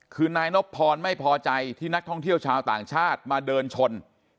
คือนายนบพรไม่พอใจที่นักท่องเที่ยวชาวต่างชาติมาเดินชน